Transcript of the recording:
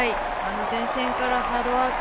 前線からハードワーク